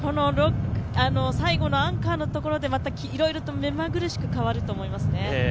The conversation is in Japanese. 最後のアンカーのところで目まぐるしく変わると思いますね。